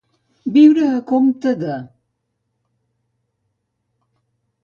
Viure a compte de.